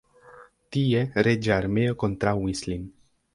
Tie reĝa armeo kontraŭis lin.